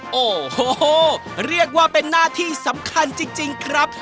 โอ้โหเรียกว่าเป็นหน้าที่สำคัญจริงครับ